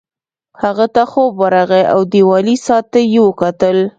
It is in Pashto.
هغه ته خوب ورغی او دیوالي ساعت ته یې وکتل